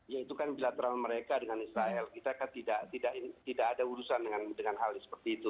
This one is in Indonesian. ya itu kan bilateral mereka dengan israel kita kan tidak ada urusan dengan hal seperti itu